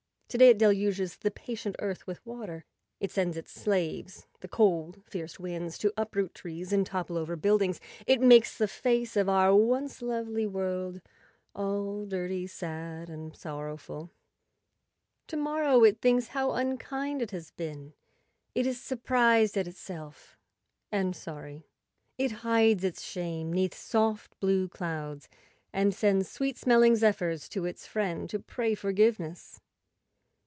To day it deluges the patient earth with water; it sends its slaves—the cold, fierce winds—to uproot trees and topple over buildings; it makes the face of our once lovely world all dirty, sad, and sorrowful. To morrow it thinks how unkind it has been; it is surprised at itself and sorry. It hides its shame 'neath soft blue clouds and sends sweet smelling zephyrs to its friend to pray forgiveness.